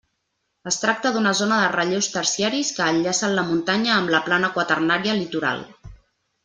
Es tracta d'una zona de relleus terciaris que enllacen la muntanya amb la plana quaternària litoral.